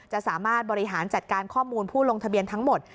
จะสามารถบริหารจัดการข้อมูลผู้ลงทะเบียนทั้งหมด